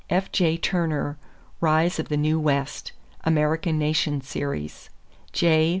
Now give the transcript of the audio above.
F.J. Turner, Rise of the New West (American Nation Series). J.